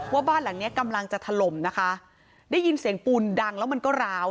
ว่าบ้านหลังเนี้ยกำลังจะถล่มนะคะได้ยินเสียงปูนดังแล้วมันก็ร้าว